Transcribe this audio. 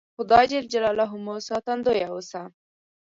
خدای ج مو ساتندویه اوسه